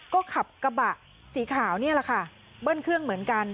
ก็ขับกระบะสีขาวนี่แหละค่ะเบิ้ลเครื่องเหมือนกัน